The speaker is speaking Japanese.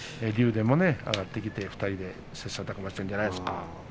電も上がってきて２人で切さたく磨したんじゃないですか。